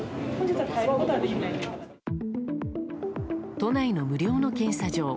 都内の無料の検査場。